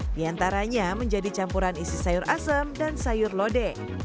di antaranya menjadi campuran isi sayur asem dan sayur lode